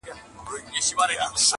څه توره تېره وه، څه انا ورسته وه.